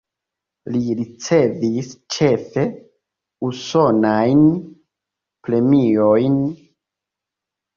Li ricevis ĉefe usonajn premiojn.